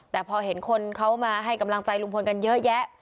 แต่พอเห็นคนเขามาให้กำลังใจลุงพลกันเยอะแยะ